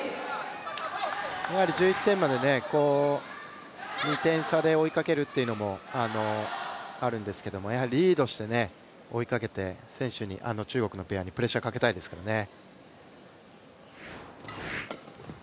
１１点まで２点差で追いかけるっていうのもあるんですけどやはりリードして追いかけて中国のペアにプレッシャーかけたいですよね。